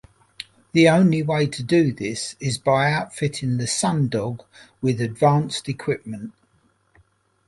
The only way to do this is by outfitting the SunDog with advanced equipment.